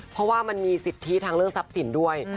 เพราะว่ามันมีสิทธิทางเรื่องทรัพย์สินด้วย